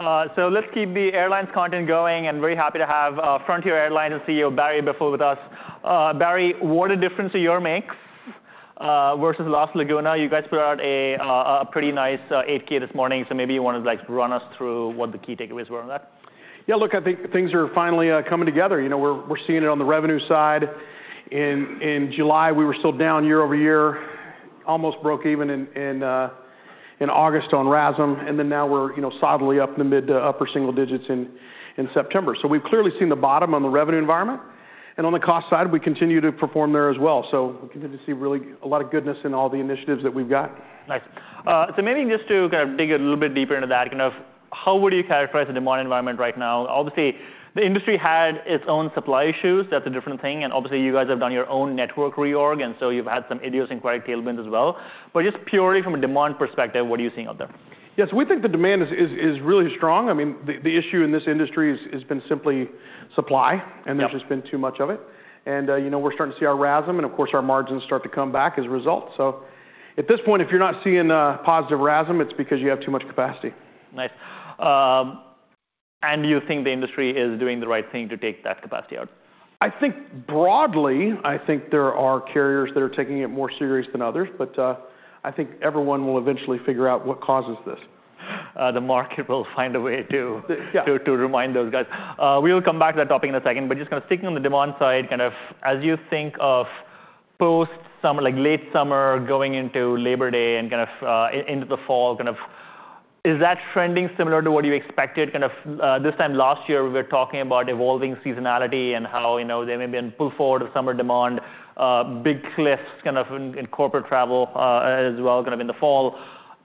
So let's keep the airlines content going, and very happy to have Frontier Airlines' CEO, Barry Biffle, with us. Barry, what a difference a year makes versus last year. You guys put out a pretty nice 8-K this morning, so maybe you want to like run us through what the key takeaways were on that. Yeah, look, I think things are finally coming together. You know, we're seeing it on the revenue side. In July, we were still down year over year, almost broke even in August on RASM, and then now we're, you know, solidly up in the mid to upper single digits in September. So we've clearly seen the bottom on the revenue environment. And on the cost side, we continue to perform there as well. So we continue to see really a lot of goodness in all the initiatives that we've got. Nice. So maybe just to kind of dig a little bit deeper into that, kind of how would you characterize the demand environment right now? Obviously, the industry had its own supply issues, that's a different thing, and obviously, you guys have done your own network reorg, and so you've had some idiosyncratic tailwinds as well. But just purely from a demand perspective, what are you seeing out there? Yes, we think the demand is really strong. I mean, the issue in this industry has been simply supply- Yeah And there's just been too much of it. And, you know, we're starting to see our RASM, and of course, our margins start to come back as a result. So at this point, if you're not seeing a positive RASM, it's because you have too much capacity. Nice. And you think the industry is doing the right thing to take that capacity out? I think broadly, I think there are carriers that are taking it more serious than others, but, I think everyone will eventually figure out what causes this. The market will find a way to- Yeah to remind those guys. We will come back to that topic in a second, but just kind of sticking on the demand side, kind of as you think of post-summer, like late summer, going into Labor Day and kind of into the fall, kind of, is that trending similar to what you expected? Kind of, this time last year, we were talking about evolving seasonality and how, you know, there may be a pull forward of summer demand, big cliffs kind of in corporate travel, as well, kind of in the fall.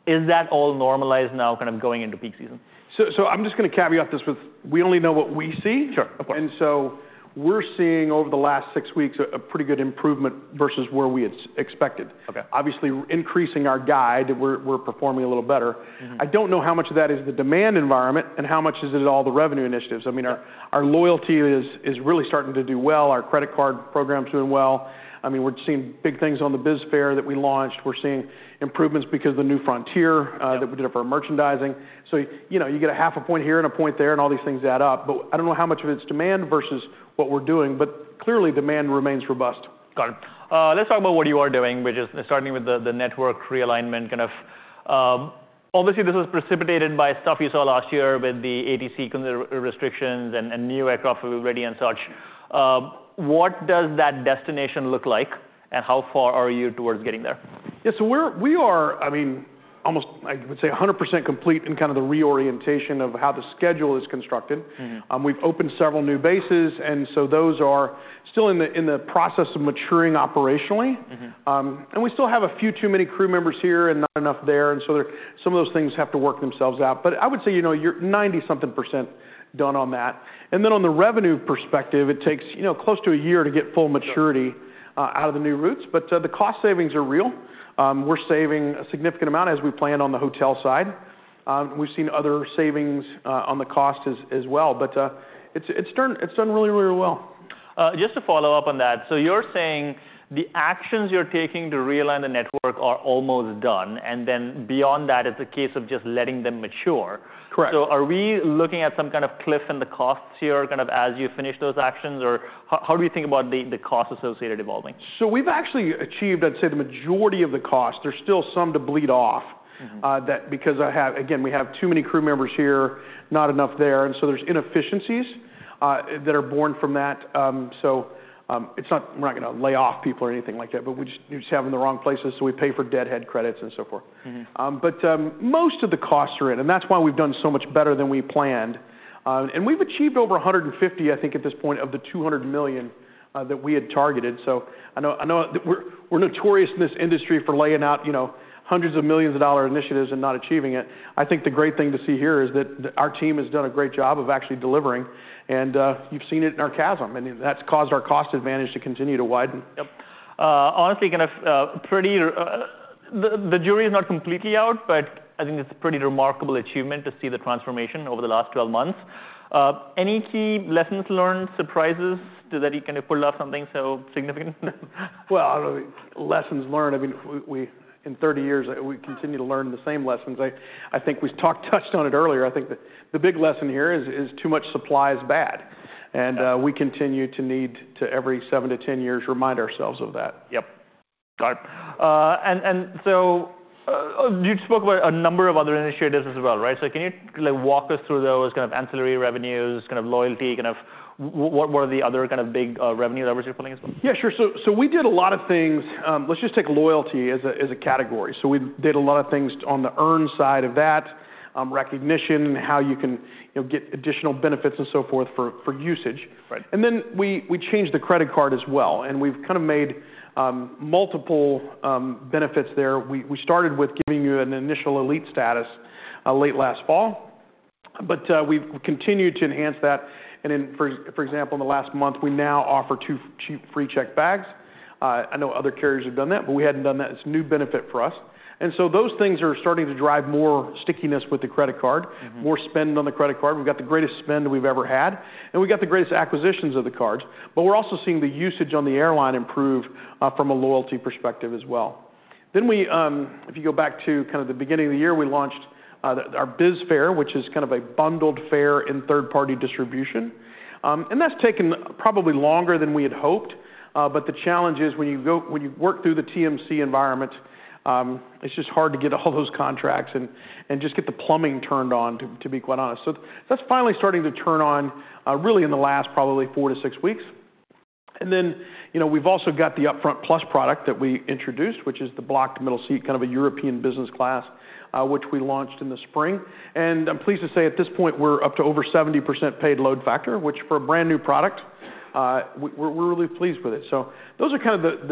Is that all normalized now, kind of going into peak season? I'm just gonna caveat this with, we only know what we see. Sure. Of course. And so we're seeing over the last six weeks a pretty good improvement versus where we had expected. Okay. Obviously, increasing our guide, we're performing a little better. Mm-hmm. I don't know how much of that is the demand environment and how much is it all the revenue initiatives. Yeah. I mean, our loyalty is really starting to do well. Our credit card program is doing well. I mean, we're seeing big things on the BizFare that we launched. We're seeing improvements because of the New Frontier- Yeah that we did for our merchandising. So, you know, you get a half a point here and a point there, and all these things add up, but I don't know how much of it's demand versus what we're doing, but clearly, demand remains robust. Got it. Let's talk about what you are doing, which is starting with the network realignment, kind of. Obviously, this was precipitated by stuff you saw last year with the ATC constraints and new aircraft ready and such. What does that destination look like, and how far are you towards getting there? Yeah, so we are, I mean, almost, I would say, 100% complete in kind of the reorientation of how the schedule is constructed. Mm-hmm. We've opened several new bases, and so those are still in the process of maturing operationally. Mm-hmm. And we still have a few too many crew members here and not enough there, and so some of those things have to work themselves out. But I would say, you know, you're 90-something% done on that. And then on the revenue perspective, it takes, you know, close to a year to get full maturity. Sure out of the new routes, but the cost savings are real. We're saving a significant amount as we planned on the hotel side. We've seen other savings on the cost as well. But it's done really well. Just to follow up on that: so you're saying the actions you're taking to realign the network are almost done, and then beyond that, it's a case of just letting them mature? Correct. So are we looking at some kind of cliff in the costs here, kind of as you finish those actions, or how do you think about the costs associated evolving? So we've actually achieved, I'd say, the majority of the cost. There's still some to bleed off- Mm-hmm that because I have... Again, we have too many crew members here, not enough there, and so there's inefficiencies that are born from that. So, it's not- we're not gonna lay off people or anything like that, but we just- you just have in the wrong places, so we pay for deadhead credits and so forth. Mm-hmm. But most of the costs are in, and that's why we've done so much better than we planned. And we've achieved over $150 million, I think, at this point, of the $200 million that we had targeted. So I know, I know, we're notorious in this industry for laying out, you know, hundreds of millions of dollars initiatives and not achieving it. I think the great thing to see here is that our team has done a great job of actually delivering, and you've seen it in our CASM, and that's caused our cost advantage to continue to widen. Yep. Honestly, kind of, pretty... The jury is not completely out, but I think it's a pretty remarkable achievement to see the transformation over the last twelve months. Any key lessons learned, surprises, so that you can pull off something so significant? Lessons learned, I mean, we, in thirty years, we continue to learn the same lessons. I think we talked, touched on it earlier. I think the big lesson here is too much supply is bad. Yeah. We continue to need to, every seven to 10 years, remind ourselves of that. Yep. Got it. And so, you spoke about a number of other initiatives as well, right? So can you, like, walk us through those, kind of ancillary revenues, kind of loyalty, kind of what were the other kind of big, revenue levers you're pulling as well? Yeah, sure. So we did a lot of things. Let's just take loyalty as a category. So we did a lot of things on the earn side of that, recognition, how you can, you know, get additional benefits and so forth, for usage. Right. Then we changed the credit card as well, and we've kind of made multiple benefits there. We started with giving you an initial elite status late last fall, but we've continued to enhance that. Then for example, in the last month, we now offer two cheap free checked bags. I know other carriers have done that, but we hadn't done that. It's a new benefit for us. And so those things are starting to drive more stickiness with the credit card- Mm-hmm... more spend on the credit card. We've got the greatest spend we've ever had, and we've got the greatest acquisitions of the cards. But we're also seeing the usage on the airline improve from a loyalty perspective as well. Well, then we, if you go back to kind of the beginning of the year, we launched our BizFare, which is kind of a bundled fare in third-party distribution, and that's taken probably longer than we had hoped. But the challenge is when you work through the TMC environment, it's just hard to get all those contracts and just get the plumbing turned on, to be quite honest. So that's finally starting to turn on, really in the last probably four to six weeks. And then, you know, we've also got the UpFront Plus product that we introduced, which is the blocked middle seat, kind of a European business class, which we launched in the spring. And I'm pleased to say at this point, we're up to over 70% paid load factor, which for a brand-new product, we're really pleased with it. So those are kind of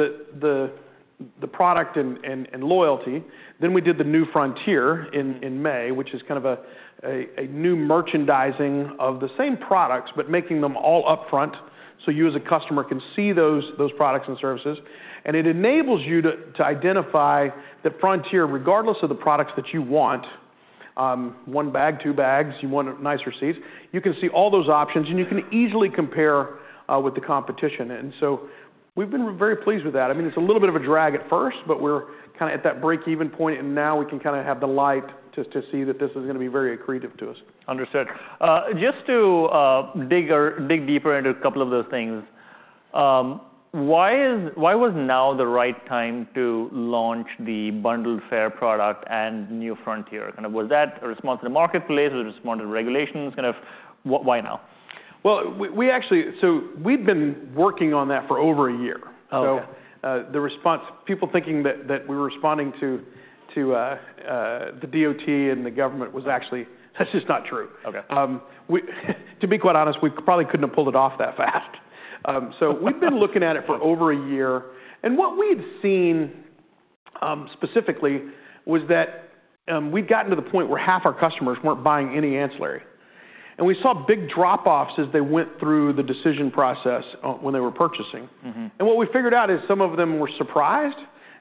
the product and loyalty. Then we did The New Frontier in May, which is kind of a new merchandising of the same products, but making them all upfront, so you, as a customer, can see those products and services, and it enables you to identify the Frontier, regardless of the products that you want. One bag, two bags, you want nicer seats. You can see all those options, and you can easily compare with the competition. And so we've been very pleased with that. I mean, it's a little bit of a drag at first, but we're kinda at that break-even point, and now we can kinda have the light to see that this is gonna be very accretive to us. Understood. Just to dig deeper into a couple of those things, why was now the right time to launch the bundled fare product and New Frontier? Kind of was that a response to the marketplace, a response to the regulations? Kind of why now? We've been working on that for over a year. Okay. The response. People thinking that we were responding to the DOT and the government was actually, that's just not true. Okay. To be quite honest, we probably couldn't have pulled it off that fast. We've been looking at it for over a year, and what we've seen, specifically, was that we've gotten to the point where half our customers weren't buying any ancillary, and we saw big drop-offs as they went through the decision process when they were purchasing. Mm-hmm. And what we figured out is some of them were surprised,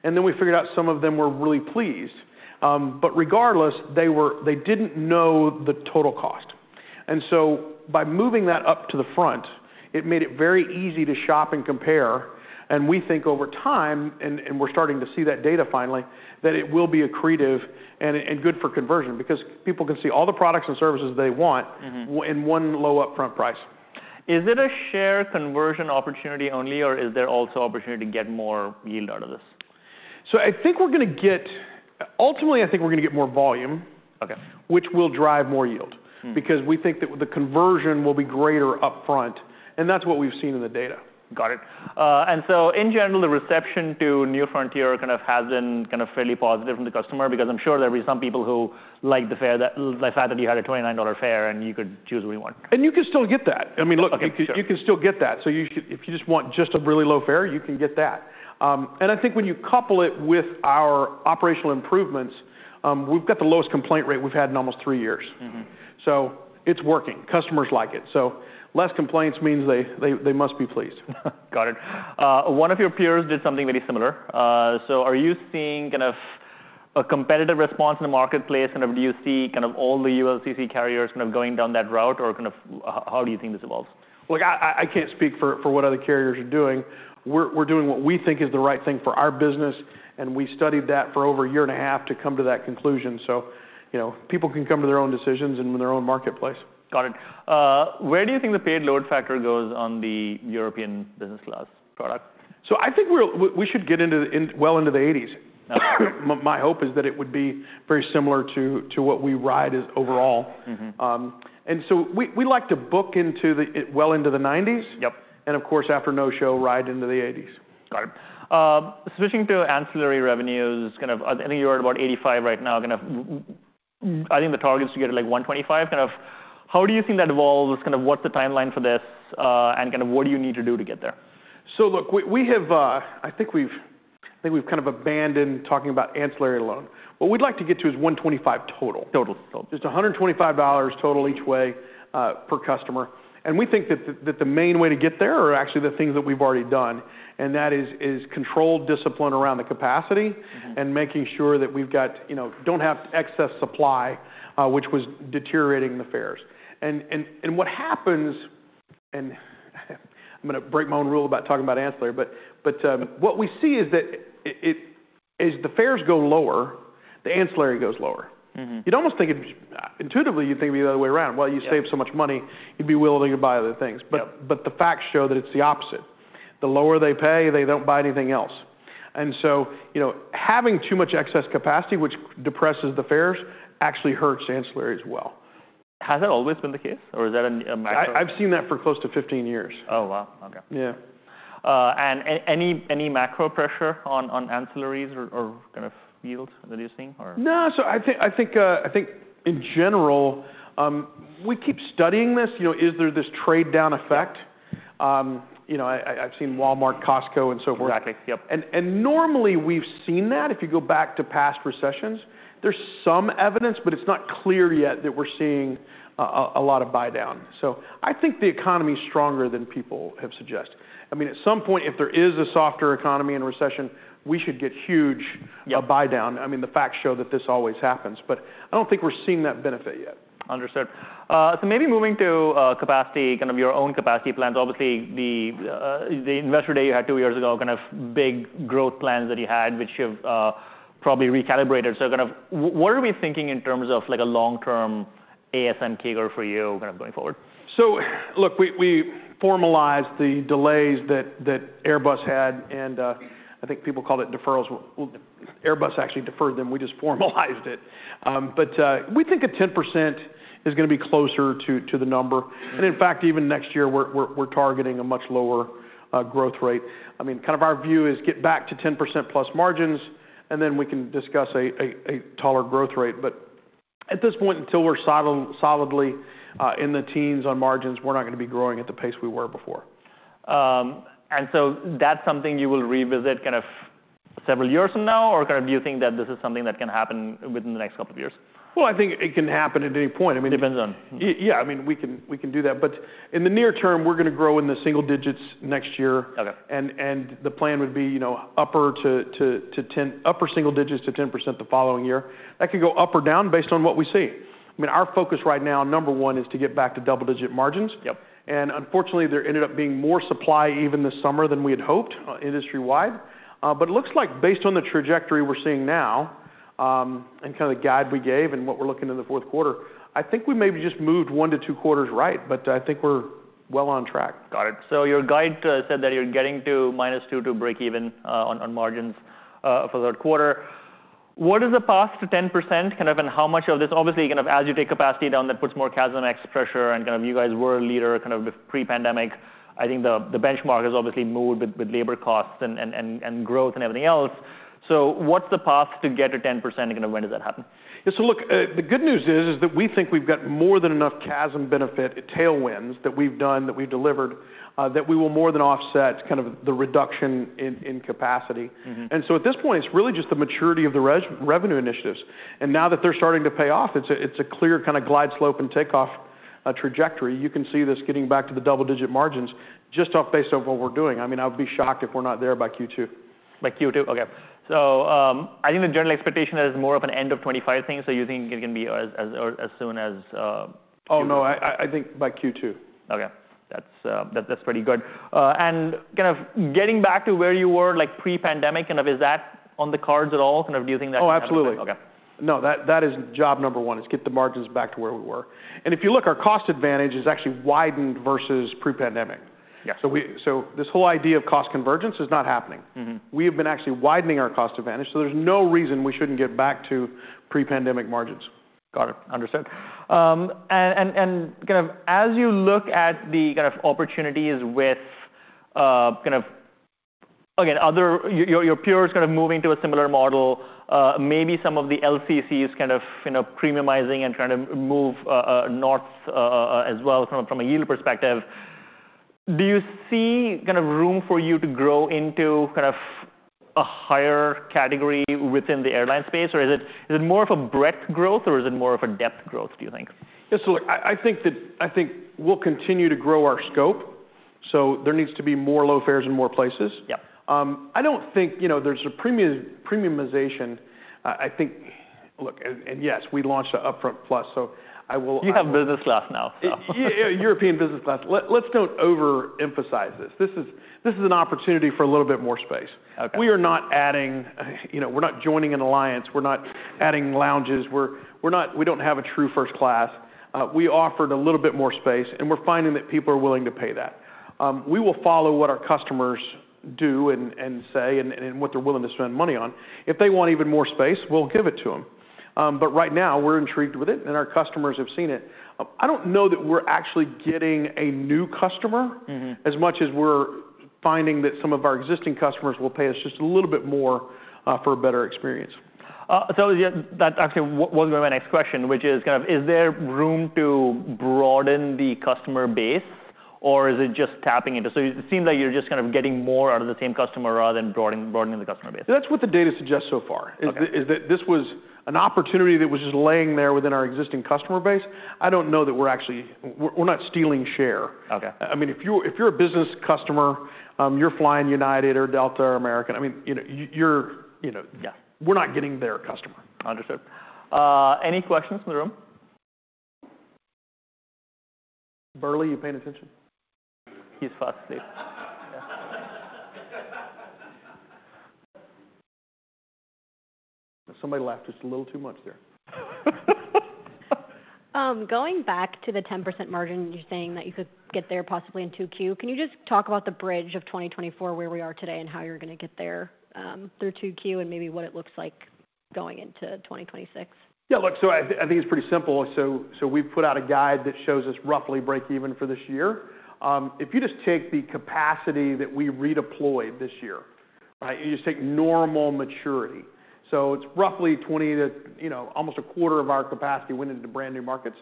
and then we figured out some of them were really pleased. But regardless, they didn't know the total cost. And so by moving that up to the front, it made it very easy to shop and compare, and we think over time, and we're starting to see that data finally, that it will be accretive and good for conversion because people can see all the products and services they want- Mm-hmm... in one low upfront price. Is it a share conversion opportunity only, or is there also opportunity to get more yield out of this? So I think we're gonna get... Ultimately, I think we're gonna get more volume- Okay... which will drive more yield. Mm. Because we think that the conversion will be greater upfront, and that's what we've seen in the data. Got it. And so in general, the reception to New Frontier kind of has been kind of fairly positive from the customer? Because I'm sure there'll be some people who like the fare, the fact that you had a $29 fare, and you could choose what you want. You can still get that. I mean, look- Okay. Sure... you can still get that, so if you just want a really low fare, you can get that, and I think when you couple it with our operational improvements, we've got the lowest complaint rate we've had in almost three years. Mm-hmm. So it's working. Customers like it. So less complaints means they must be pleased. Got it. One of your peers did something very similar. So are you seeing kind of a competitive response in the marketplace, and do you see kind of all the ULCC carriers kind of going down that route, or kind of how do you think this evolves? Look, I can't speak for what other carriers are doing. We're doing what we think is the right thing for our business, and we studied that for over a year and a half to come to that conclusion. So, you know, people can come to their own decisions and in their own marketplace. Got it. Where do you think the paid load factor goes on the European business class product? I think we should get well into the eighties. My hope is that it would be very similar to what we RASM as overall. Mm-hmm. And so we like to book well into the nineties. Yep. And of course, after no-show, right into the eighties. Got it. Switching to ancillary revenues, kind of, I think you're at about $0.85 right now. Kind of, I think the target is to get to, like, $1.25. Kind of, how do you think that evolves? Kind of, what's the timeline for this? And kind of what do you need to do to get there? So look, we have. I think we've kind of abandoned talking about ancillary alone. What we'd like to get to is $125 total. Total. Just $125 total each way, per customer. And we think that the main way to get there are actually the things that we've already done, and that is controlled discipline around the capacity- Mm-hmm... and making sure that we've got, you know, don't have excess supply, which was deteriorating the fares. And what happens, and I'm gonna break my own rule about talking about ancillary, but what we see is that it, as the fares go lower, the ancillary goes lower. Mm-hmm. You'd almost think it... Intuitively, you'd think it be the other way around. Yep. While you save so much money, you'd be willing to buy other things. Yep. But the facts show that it's the opposite. The lower they pay, they don't buy anything else. And so, you know, having too much excess capacity, which depresses the fares, actually hurts ancillary as well. Has that always been the case, or is that a macro? I've seen that for close to 15 years. Oh, wow! Okay. Yeah. And any macro pressure on ancillaries or kind of yields that you're seeing or? No. So I think, I think in general, we keep studying this, you know, is there this trade-down effect? You know, I've seen Walmart, Costco, and so forth. Exactly. Yep. And normally we've seen that. If you go back to past recessions, there's some evidence, but it's not clear yet that we're seeing a lot of buy-down. So I think the economy is stronger than people have suggested. I mean, at some point, if there is a softer economy and recession, we should get huge- Yeah... a buy-down. I mean, the facts show that this always happens, but I don't think we're seeing that benefit yet.... Understood. So maybe moving to capacity, kind of your own capacity plans. Obviously, the investor day you had two years ago, kind of big growth plans that you had, which you've probably recalibrated. So kind of what are we thinking in terms of, like, a long-term ASM CAGR for you kind of going forward? Look, we formalized the delays that Airbus had, and I think people called it deferrals. Airbus actually deferred them. We just formalized it. But we think 10% is gonna be closer to the number. In fact, even next year, we're targeting a much lower growth rate. I mean, kind of our view is get back to 10% plus margins, and then we can discuss a taller growth rate. But at this point, until we're solidly in the teens on margins, we're not gonna be growing at the pace we were before. And so that's something you will revisit kind of several years from now? Or kind of do you think that this is something that can happen within the next couple of years? I think it can happen at any point. I mean- Depends on- Yeah. I mean, we can, we can do that. But in the near term, we're gonna grow in the single digits next year. Okay. The plan would be, you know, upper single digits to 10% the following year. That could go up or down based on what we see. I mean, our focus right now, number one, is to get back to double-digit margins. Yep. And unfortunately, there ended up being more supply even this summer than we had hoped, industry wide. But it looks like based on the trajectory we're seeing now, and kind of the guide we gave and what we're looking in the fourth quarter, I think we maybe just moved one to two quarters right, but I think we're well on track. Got it. So your guide said that you're getting to minus two to break even on margins for the third quarter. What is the path to 10%, kind of, and how much of this? Obviously, kind of as you take capacity down, that puts more CASM ex pressure and kind of you guys were a leader kind of the pre-pandemic. I think the benchmark has obviously moved with labor costs and growth and everything else. So what's the path to get to 10%, and when does that happen? Yeah, so look, the good news is that we think we've got more than enough CASM benefit tailwinds that we've done, that we've delivered, that we will more than offset kind of the reduction in capacity. Mm-hmm. So at this point, it's really just the maturity of the revenue initiatives, and now that they're starting to pay off, it's a clear kind of glide slope and takeoff trajectory. You can see this getting back to the double-digit margins just based on what we're doing. I mean, I'll be shocked if we're not there by Q2. By Q2? Okay. So, I think the general expectation is more of an end of twenty twenty-five thing. So you think it can be as soon as, Oh, no, I think by Q2. Okay. That's, that's pretty good. And kind of getting back to where you were, like pre-pandemic, kind of is that on the cards at all? Kind of do you think that- Oh, absolutely. Okay. No, that is job number one, is get the margins back to where we were. And if you look, our cost advantage is actually widened versus pre-pandemic. Yeah. So this whole idea of cost convergence is not happening. Mm-hmm. We have been actually widening our cost advantage, so there's no reason we shouldn't get back to pre-pandemic margins. Got it. Understood, and kind of as you look at the kind of opportunities with kind of, again, your peers kind of moving to a similar model, maybe some of the LCCs kind of, you know, premiumizing and trying to move north as well, from a yield perspective. Do you see kind of room for you to grow into kind of a higher category within the airline space, or is it more of a breadth growth, or is it more of a depth growth, do you think? Yes, so look, I think we'll continue to grow our scope, so there needs to be more low fares in more places. Yep. I don't think, you know, there's a premiumization. I think... Look, and yes, we launched an UpFront Plus, so I will- You have business class now, so... Yeah, European business class. Let's don't overemphasize this. This is an opportunity for a little bit more space. Okay. We are not adding, you know, we're not joining an alliance, we're not adding lounges, we're not, we don't have a true first class. We offered a little bit more space, and we're finding that people are willing to pay that. We will follow what our customers do and say and what they're willing to spend money on. If they want even more space, we'll give it to them. But right now, we're intrigued with it, and our customers have seen it. I don't know that we're actually getting a new customer- Mm-hmm... as much as we're finding that some of our existing customers will pay us just a little bit more, for a better experience. So yeah, that actually was my next question, which is kind of, is there room to broaden the customer base, or is it just tapping into...? So it seems like you're just kind of getting more out of the same customer rather than broadening the customer base. That's what the data suggests so far. Okay... is that this was an opportunity that was just lying there within our existing customer base. I don't know that we're actually... We're not stealing share. Okay. I mean, if you're a business customer, you're flying United or Delta or American, I mean, you know? Yeah. We're not getting their customer. Understood. Any questions in the room? Barry, you paying attention? He's fast asleep. Somebody laughed just a little too much there. Going back to the 10% margin, you're saying that you could get there possibly in 2Q. Can you just talk about the bridge of twenty twenty-four, where we are today, and how you're gonna get there, through 2Q, and maybe what it looks like going into twenty twenty-six? Yeah, look, so I think it's pretty simple. So we've put out a guide that shows us roughly break even for this year. If you just take the capacity that we redeployed this year, right? You just take normal maturity. So it's roughly 20 to, you know, almost a quarter of our capacity went into brand-new markets.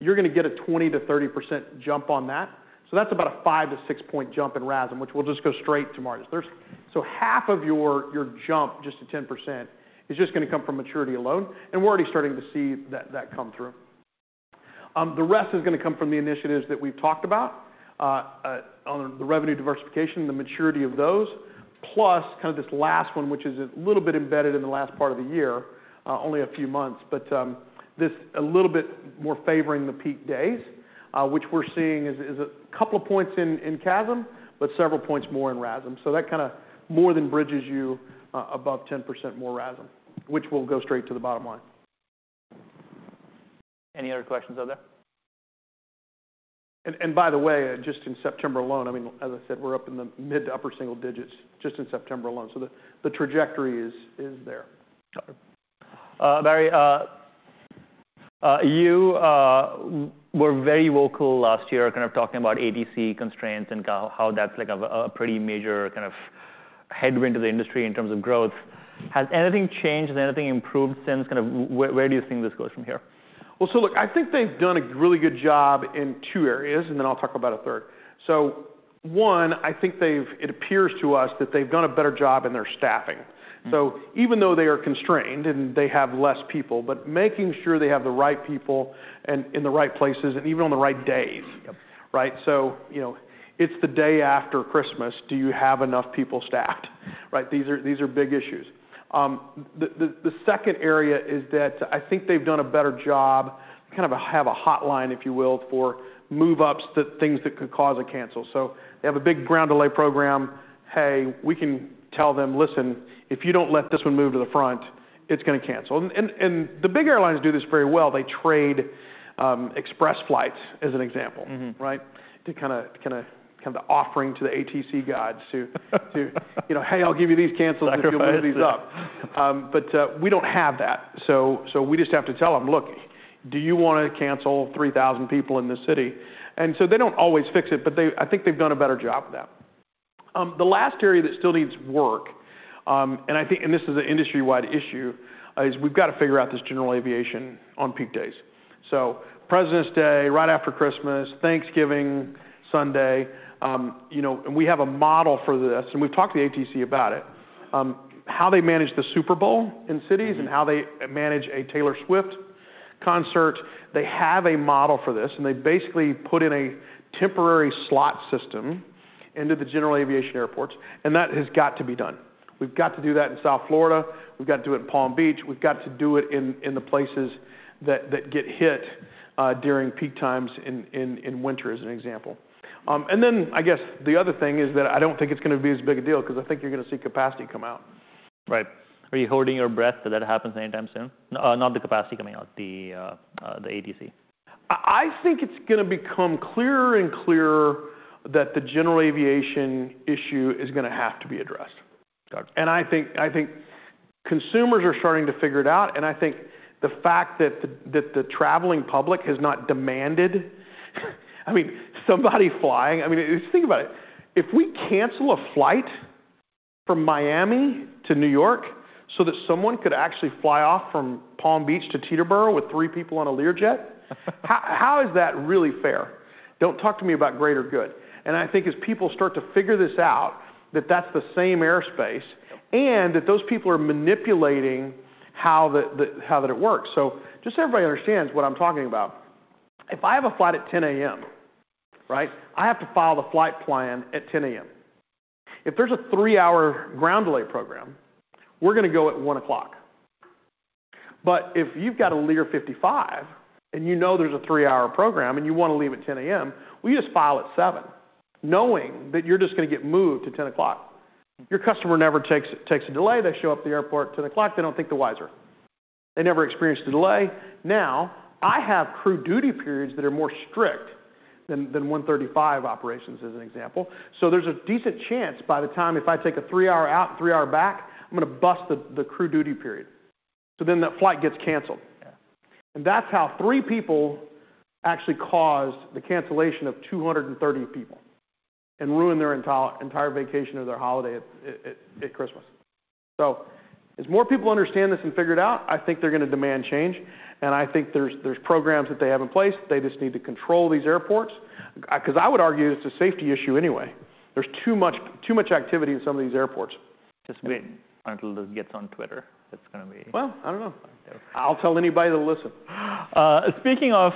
You're gonna get a 20-30% jump on that. So that's about a 5-6 point jump in RASM, which will just go straight to margins. There's so half of your jump, just to 10%, is just gonna come from maturity alone, and we're already starting to see that come through. The rest is gonna come from the initiatives that we've talked about, on the revenue diversification, the maturity of those.... plus kind of this last one, which is a little bit embedded in the last part of the year, only a few months, but, this a little bit more favoring the peak days, which we're seeing is a couple of points in CASM, but several points more in RASM. So that kind of more than bridges you above 10% more RASM, which will go straight to the bottom line. Any other questions out there? By the way, just in September alone, I mean, as I said, we're up in the mid- to upper-single digits, just in September alone, so the trajectory is there. Barry, you were very vocal last year, kind of talking about ATC constraints and how that's like a pretty major kind of headwind to the industry in terms of growth. Has anything changed? Has anything improved since? Kind of where do you think this goes from here? Well, so look, I think they've done a really good job in two areas, and then I'll talk about a third. So one, I think it appears to us that they've done a better job in their staffing. Mm-hmm. So even though they are constrained and they have less people, but making sure they have the right people and in the right places and even on the right days. Yep. Right? So, you know, it's the day after Christmas. Do you have enough people staffed, right? These are, these are big issues. The second area is that I think they've done a better job, kind of have a hotline, if you will, for move-ups, the things that could cause a cancel. So they have a big Ground Delay Program. "Hey, we can tell them, 'Listen, if you don't let this one move to the front, it's gonna cancel.'" And the big airlines do this very well. They trade express flights, as an example. Mm-hmm. Right? To kind of the offering to the ATC gods to, you know, "Hey, I'll give you these cancels if you move these up. Sacrifice. But we don't have that, so we just have to tell them, "Look, do you wanna cancel three thousand people in this city?" And so they don't always fix it, but they-- I think they've done a better job of that. The last area that still needs work, and I think this is an industry-wide issue, is we've got to figure out this general aviation on peak days. So Presidents' Day, right after Christmas, Thanksgiving, Sunday, you know, and we have a model for this, and we've talked to the ATC about it. How they manage the Super Bowl in cities- Mm-hmm... and how they manage a Taylor Swift concert, they have a model for this, and they basically put in a temporary slot system into the general aviation airports, and that has got to be done. We've got to do that in South Florida. We've got to do it in Palm Beach. We've got to do it in the places that get hit during peak times in winter, as an example, and then I guess the other thing is that I don't think it's gonna be as big a deal because I think you're gonna see capacity come out. Right. Are you holding your breath that that happens anytime soon? Not the capacity coming out, the ATC. I think it's gonna become clearer and clearer that the general aviation issue is gonna have to be addressed. Got it. And I think, I think consumers are starting to figure it out, and I think the fact that the traveling public has not demanded, I mean, somebody flying. I mean, just think about it. If we cancel a flight from Miami to New York so that someone could actually fly off from Palm Beach to Teterboro with three people on a Learjet... how is that really fair? Don't talk to me about greater good. And I think as people start to figure this out, that that's the same airspace- Yep... and that those people are manipulating how that it works. So just so everybody understands what I'm talking about: If I have a flight at 10:00 A.M., right? I have to file the flight plan at 10:00 A.M. If there's a three-hour ground delay program, we're gonna go at 1:00 P.M. But if you've got a Learjet 55 and you know there's a three-hour program and you want to leave at 10:00 A.M., well, you just file at 7:00 A.M., knowing that you're just gonna get moved to 10:00 A.M. Your customer never takes a delay. They show up at the airport 2:00 P.M., they don't think the wiser. They never experienced a delay. Now, I have crew duty periods that are more strict than 135 operations, as an example. So there's a decent chance, by the time... If I take a three-hour out, three-hour back, I'm gonna bust the crew duty period. So then that flight gets canceled. Yeah. That's how three people actually caused the cancellation of 230 people and ruined their entire vacation or their holiday at Christmas. As more people understand this and figure it out, I think they're gonna demand change, and I think there's programs that they have in place. They just need to control these airports. Because I would argue it's a safety issue anyway. There's too much activity in some of these airports. Just wait until this gets on Twitter. It's gonna be- I don't know. Yeah. I'll tell anybody that'll listen. Speaking of,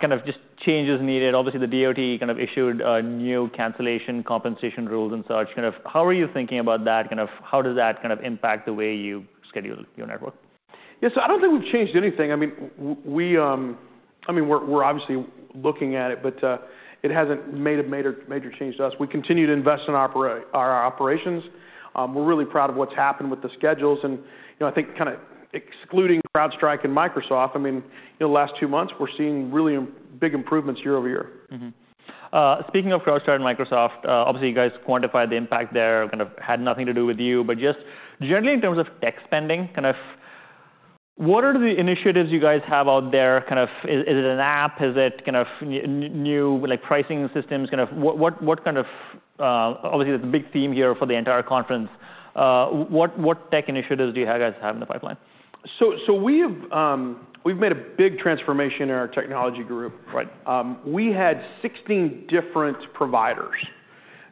kind of just changes needed, obviously, the DOT kind of issued a new cancellation, compensation rules and such, kind of how are you thinking about that? Kind of how does that kind of impact the way you schedule your network? Yes. So I don't think we've changed anything. I mean, we're obviously looking at it, but it hasn't made a major, major change to us. We continue to invest in our operations. We're really proud of what's happened with the schedules and, you know, I think kind of excluding CrowdStrike and Microsoft, I mean, in the last two months, we're seeing really big improvements year over year. Mm-hmm. Speaking of CrowdStrike and Microsoft, obviously, you guys quantified the impact there, kind of had nothing to do with you. But just generally in terms of tech spending, kind of what are the initiatives you guys have out there? Kind of, is it an app? Is it kind of new, like, pricing systems? Kind of what kind of... Obviously, that's a big theme here for the entire conference. What tech initiatives do you guys have in the pipeline? We have, we've made a big transformation in our technology group. Right. We had 16 different providers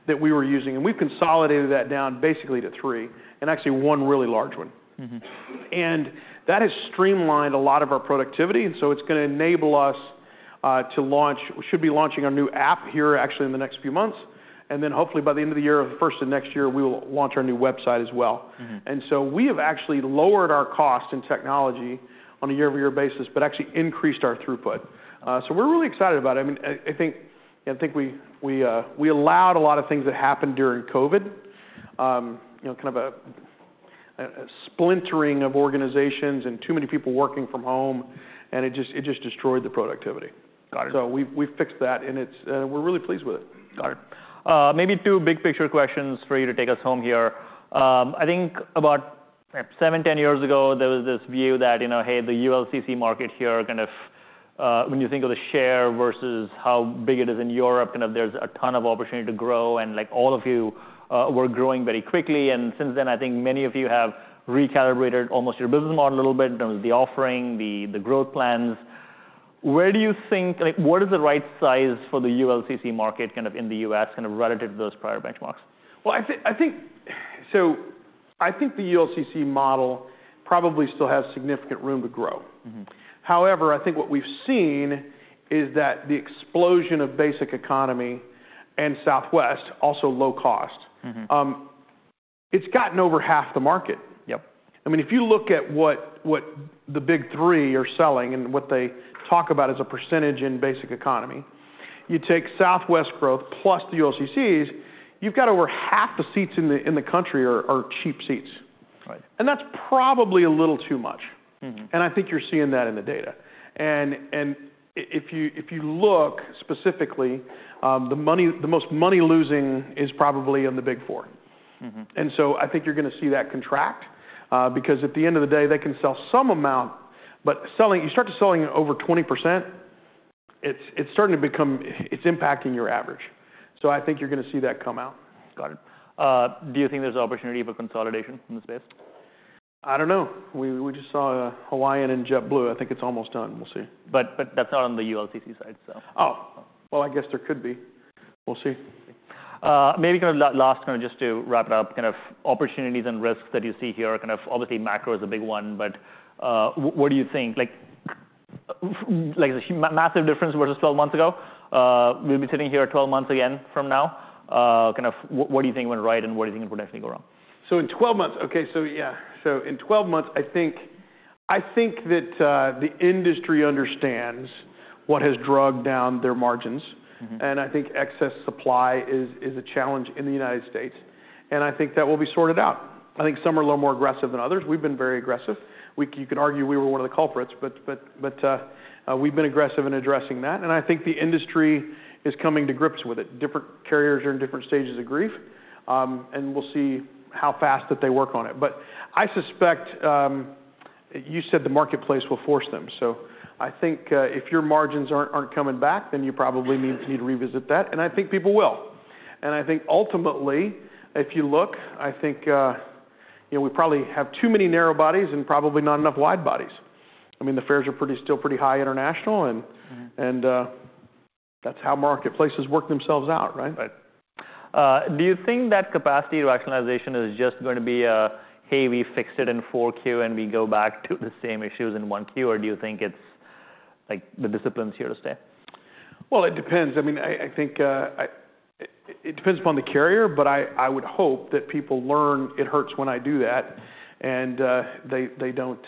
that we were using, and we've consolidated that down basically to three, and actually one really large one. Mm-hmm. That has streamlined a lot of our productivity, and so it's gonna enable us to launch. We should be launching our new app here actually in the next few months, and then hopefully by the end of the year or the first of next year, we will launch our new website as well. Mm-hmm. And so we have actually lowered our costs in technology on a year-over-year basis, but actually increased our throughput. So we're really excited about it. I mean, I think we allowed a lot of things that happened during COVID, you know, kind of a splintering of organizations and too many people working from home, and it just destroyed the productivity. Got it. So we've fixed that, and it's. We're really pleased with it. Got it. Maybe two big-picture questions for you to take us home here. I think about seven, ten years ago, there was this view that, you know, hey, the ULCC market here, kind of, when you think of the share versus how big it is in Europe, kind of there's a ton of opportunity to grow, and, like, all of you were growing very quickly, and since then, I think many of you have recalibrated almost your business model a little bit in terms of the offering, the growth plans. Where do you think... Like, what is the right size for the ULCC market kind of in the U.S., kind of relative to those prior benchmarks? I think the ULCC model probably still has significant room to grow. Mm-hmm. However, I think what we've seen is that the explosion of basic economy and Southwest, also low cost- Mm-hmm... it's gotten over half the market. Yep. I mean, if you look at what the Big Three are selling and what they talk about as a percentage in basic economy, you take Southwest growth plus the ULCCs. You've got over half the seats in the country are cheap seats. Right. That's probably a little too much. Mm-hmm. I think you're seeing that in the data. If you look specifically, the most money-losing is probably in the Big Four. Mm-hmm. And so I think you're gonna see that contract, because at the end of the day, they can sell some amount, but selling, you start just selling over 20%, it's starting to become... It's impacting your average. So I think you're gonna see that come out. Got it. Do you think there's an opportunity for consolidation in the space? I don't know. We, we just saw Hawaiian and JetBlue. I think it's almost done. We'll see. But, that's not on the ULCC side, so. Oh, well, I guess there could be. We'll see. Maybe kind of last, kind of just to wrap it up, kind of opportunities and risks that you see here, kind of obviously, macro is a big one, but, what do you think? Like, a massive difference versus twelve months ago, we'll be sitting here twelve months again from now, kind of what do you think went right, and what do you think would definitely go wrong? In twelve months, I think that the industry understands what has dragged down their margins. Mm-hmm. I think excess supply is a challenge in the United States, and I think that will be sorted out. I think some are a little more aggressive than others. We've been very aggressive. You can argue we were one of the culprits, but we've been aggressive in addressing that, and I think the industry is coming to grips with it. Different carriers are in different stages of grief, and we'll see how fast that they work on it. I suspect you said the marketplace will force them. I think if your margins aren't coming back, then you probably need to revisit that, and I think people will. I think ultimately, if you look, I think you know, we probably have too many narrow bodies and probably not enough wide bodies. I mean, the fares are pretty, still pretty high international, and- Mm... and, that's how marketplaces work themselves out, right? Right. Do you think that capacity rationalization is just gonna be a, "Hey, we fixed it in four Q, and we go back to the same issues in one Q," or do you think it's like the discipline's here to stay? It depends. I mean, I think it depends upon the carrier, but I would hope that people learn it hurts when I do that, and they don't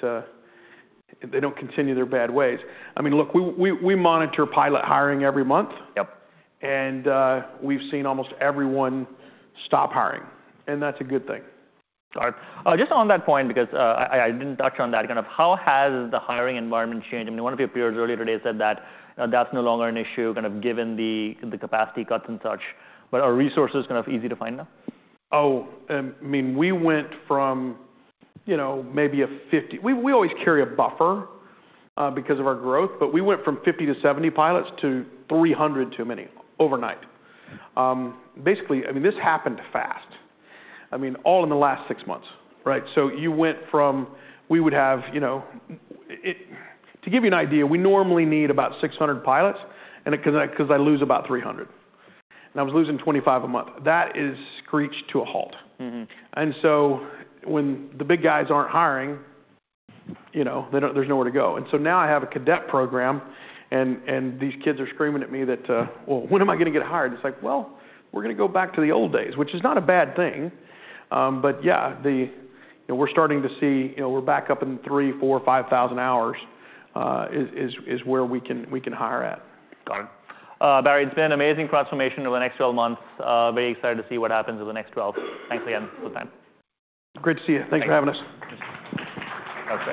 continue their bad ways. I mean, look, we monitor pilot hiring every month. Yep. We've seen almost everyone stop hiring, and that's a good thing. All right. Just on that point, because I didn't touch on that, kind of how has the hiring environment changed? I mean, one of your peers earlier today said that that's no longer an issue, kind of given the capacity cuts and such. But are resources kind of easy to find now? Oh, I mean, we went from, you know, maybe a 50. We always carry a buffer because of our growth, but we went from 50 to 70 pilots to 300 too many overnight. Basically, I mean, this happened fast. I mean, all in the last six months, right? So you went from, we would have, you know, it. To give you an idea, we normally need about 600 pilots, and it, 'cause I lose about 300, and I was losing 25 a month. That is screeched to a halt. Mm-hmm. And so when the big guys aren't hiring, you know, they don't, there's nowhere to go. And so now I have a cadet program, and these kids are screaming at me that, "Well, when am I gonna get hired?" It's like, "Well, we're gonna go back to the old days," which is not a bad thing. But yeah, you know, we're starting to see, you know, we're back up in three, four, five thousand hours, is where we can hire at. Got it. Barry, it's been an amazing transformation over the next twelve months. Very excited to see what happens in the next twelve. Thanks again for the time. Great to see you. Thanks. Thanks for having us. Okay.